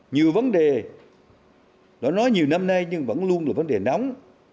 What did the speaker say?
nhiều vấn đề đã nói nhiều năm nay nhưng vẫn luôn là vấn đề nóng